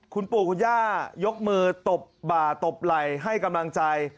คุณปู่คุณย่ายกมือตบบ่าตบไหล่ให้กำลังใจ